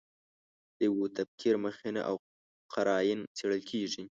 د یوه تفکر مخینه او قراین څېړل کېږي.